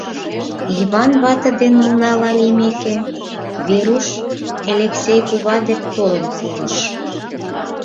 Йыван вате дене уна лиймеке, Веруш Элексей кува дек толын пурыш.